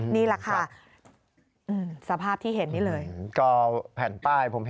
นี่แหละค่ะ